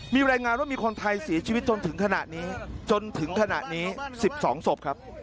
มีรายงานว่ามีคนไทยเสียชีวิตจนถึงขณะนี้จนถึงขณะนี้๑๒ศพครับ